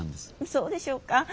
そうでしょうか？